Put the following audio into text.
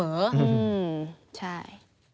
อื้อใช่